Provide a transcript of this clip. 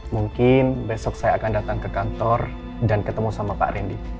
mungkin besok saya akan datang ke kantor dan ketemu sama pak randy